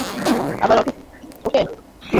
আবার আসিস, ওকে?